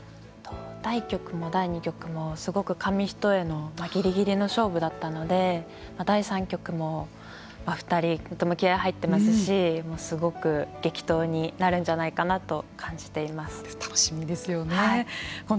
第一局も第二局もすごく紙一重のぎりぎりの勝負だったので第三局も２人とても気合い入っていますしすごく激闘になるんじゃないかなと感じています。